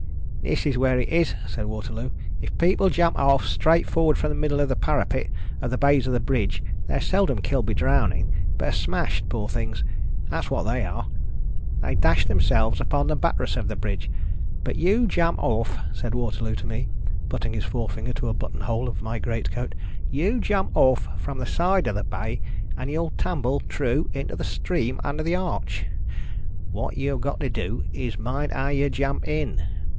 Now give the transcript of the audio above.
"This is where it is," said Waterloo. "If people jump oif straight forards irom the middle of the parapet of the bays of the bridge, they are seldom killed by drowning, but are smashed, poor things ; that's what they are ; they dash themselves upon the buttress of the bridge. But, you jump off," said Waterloo to me, putting his forefinger in a button hole of my great coat ;" you jump off from the side of the bay, and you'll tumble, true, into the stream under the arch. What you have got to do, is to mind how you jump in